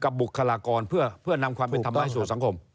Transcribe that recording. กับบุคลากรเพื่อนำความทำให้สู่สังคม